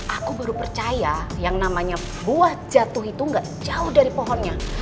aku baru percaya yang namanya buah jatuh itu gak jauh dari pohonnya